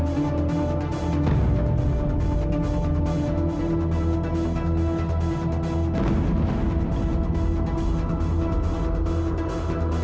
kau itu sudah ada